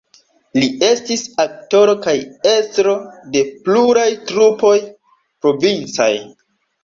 Li estis aktoro kaj estro de pluraj trupoj provincaj.